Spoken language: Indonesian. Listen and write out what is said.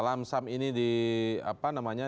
lamsam ini di apa namanya